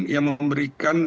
yang memberikan detok